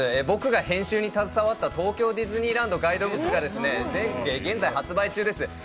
僕が編集に携わった「東京ディズニーランドガイドブック」が現在発売中です。